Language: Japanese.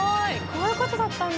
こういうことだったんだ。